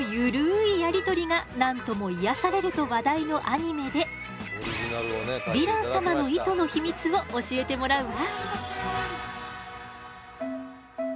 やりとりが何とも癒やされると話題のアニメでヴィラン様の糸の秘密を教えてもらうわ。